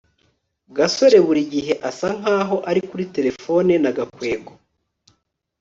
gasore buri gihe asa nkaho ari kuri terefone na gakwego